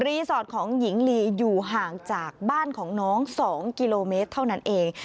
สอดของหญิงลีอยู่ห่างจากบ้านของน้อง๒กิโลเมตรเท่านั้นเอง